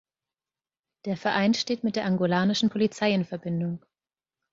Der Verein steht mit der angolanischen Polizei in Verbindung.